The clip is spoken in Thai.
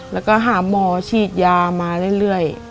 แล้วก็หาหมอฉีดยามาเรื่อย